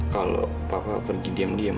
kalau papa pergi diam diam